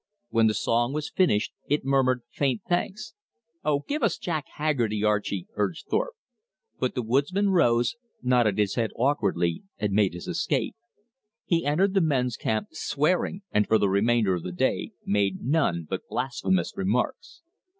When the song was finished it murmured faint thanks. "Oh, give us 'Jack Haggerty,' Archie," urged Thorpe. But the woodsman rose, nodded his head awkwardly, and made his escape. He entered the men's camp, swearing, and for the remainder of the day made none but blasphemous remarks.